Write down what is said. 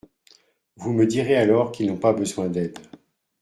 Vous me direz alors qu’ils n’ont pas besoin d’aide.